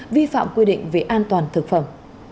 vi phạm quy định về an toàn thực phẩm